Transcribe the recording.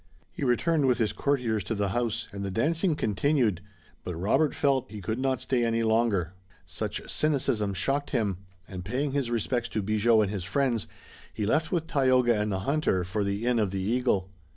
He returned with his courtiers to the house, and the dancing continued, but Robert felt that he could not stay any longer. Such cynicism shocked him, and paying his respects to Bigot and his friends, he left with Tayoga and the hunter for the Inn of the Eagle.